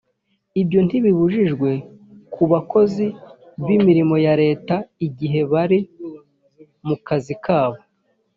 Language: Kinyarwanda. lbyo ntibibujijwe ku bakozi b’imirimo ya leta igihe bari mu kazi kabo